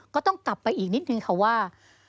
ก็ต้องกลับไปอีกนิดนึงค่ะว่า